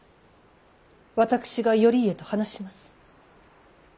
私が頼家と話します。